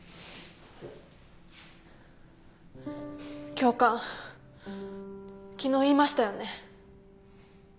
教官昨日言いましたよね。